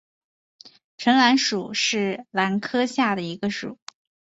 唇兰属是兰科下的一个属。